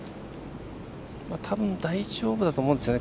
たぶん、大丈夫だと思うんですよね。